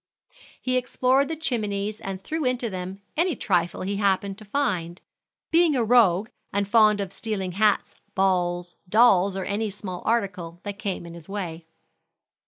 He explored the chimneys and threw into them any trifle he happened to find, being a rogue, and fond of stealing hats, balls, dolls, or any small article that came in his way.